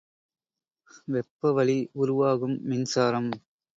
வெப்ப வழி உருவாகும் மின்சாரம்.